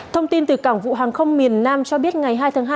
thông tin từ cảng vụ hàng không miền nam cho biết ngày hai tháng hai